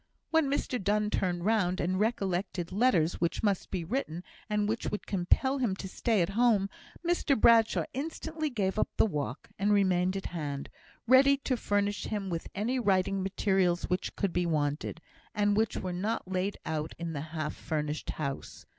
When Mr Donne turned round, and recollected letters which must be written, and which would compel him to stay at home, Mr Bradshaw instantly gave up the walk, and remained at hand, ready to furnish him with any writing materials which could be wanted, and which were not laid out in the half furnished house.